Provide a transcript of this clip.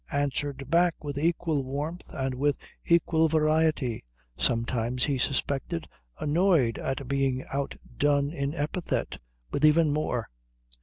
Answered back with equal warmth and with equal variety sometimes, he suspected, annoyed at being outdone in epithet, with even more.